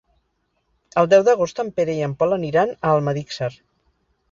El deu d'agost en Pere i en Pol aniran a Almedíxer.